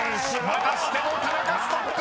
［またしても田中ストップ！］